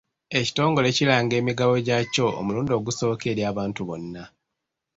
Ekitongole kiranga emigabo gyaakyo omulundi ogusooka eri abantu bonna.